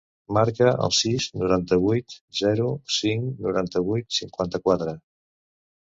Marca el sis, noranta-vuit, zero, cinc, noranta-vuit, cinquanta-quatre.